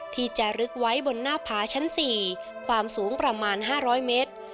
ที่จะลึกไว้บนหน้าผาชั้น๔ความสูงประมาณ๕๐๐เมตร